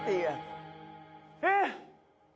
えっ！